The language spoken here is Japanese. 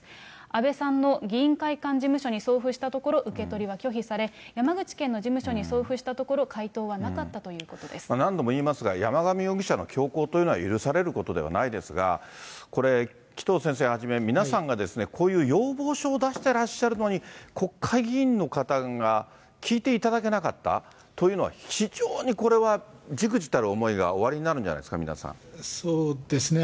安倍さんの議員会館事務所に送付したところ、受け取りは拒否され、山口県の事務所に送付したところ、何度も言いますが、山上容疑者の凶行というのは許されることではないですが、これ、紀藤先生はじめ、皆さんがこういう要望書を出してらっしゃるのに、国会議員の方が聞いていただけなかったというのは、非常にこれはじくじたる思いがおありになるんではないですか、皆そうですね。